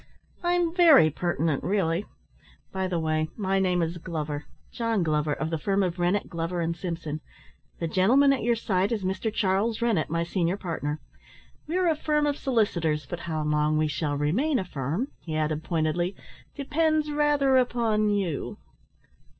"I'm very pertinent, really. By the way, my name is Glover John Glover, of the firm of Rennett, Glover and Simpson. The gentleman at your side is Mr. Charles Rennett, my senior partner. We are a firm of solicitors, but how long we shall remain a firm," he added pointedly, "depends rather upon you."